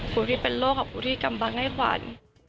คุณที่เป็นโลกคุณที่กำลังให้ขวัญ